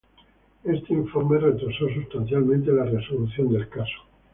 Este informe retrasó sustancialmente la resolución del caso.